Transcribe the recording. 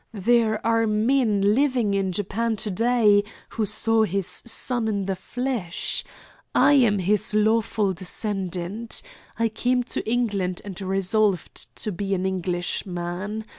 There are men living in Japan to day who saw his son in the flesh. I am his lawful descendant. I came to England and resolved to be an Englishman.